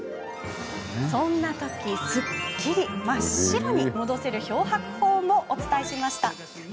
そんなとき、すっきり真っ白に戻せる漂白法も以前お伝えしました。